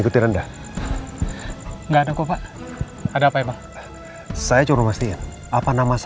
terima kasih ya pak